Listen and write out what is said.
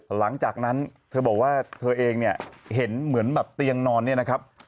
หลังจากนั้นเธอบอกว่าเธอเองเนี่ยเห็นเหมือนแบบเตียงนอนเนี่ยนะครับ